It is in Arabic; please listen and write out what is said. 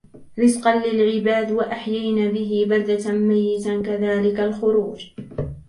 رزقا للعباد وأحيينا به بلدة ميتا كذلك الخروج